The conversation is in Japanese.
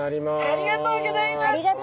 ありがとうございます。